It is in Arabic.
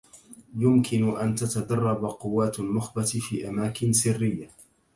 يمكن أن تتدرب قوات النخبة في أماكن سرية.